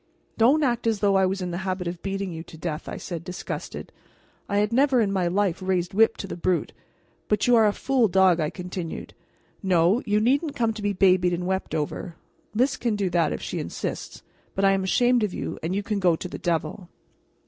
"Don't act as though I was in the habit of beating you to death," I said, disgusted. I had never in my life raised whip to the brute. "But you are a fool dog," I continued. "No, you needn't come to be babied and wept over; Lys can do that, if she insists, but I am ashamed of you, and you can go to the devil."